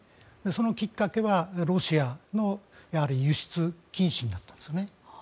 そのきっかけはロシアの輸出禁止になっています。